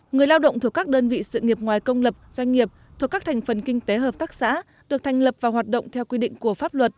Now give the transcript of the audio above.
người lao động thuộc các đơn vị sự nghiệp ngoài công lập doanh nghiệp thuộc các thành phần kinh tế hợp tác xã được thành lập và hoạt động theo quy định của pháp luật